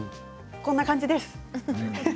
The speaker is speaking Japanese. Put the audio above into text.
こんな感じです。